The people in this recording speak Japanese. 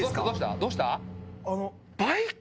どうした？